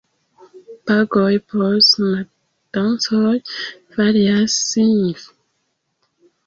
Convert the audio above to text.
Pagoj por sinodancoj varias signife.